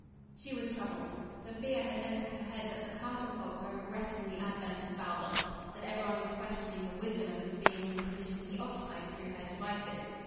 She was troubled. The fear had entered her head that the castle folk were regretting the advent of Baldos, that everyone was questioning the wisdom of his being in the position he occupied through her devices.